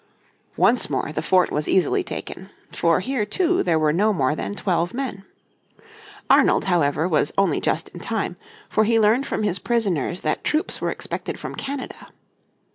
Once more the fort was easily taken. For here too, there were no more than twelve men. Arnold, however, was only just in time, for he learned from his prisoners that troops were expected from Canada.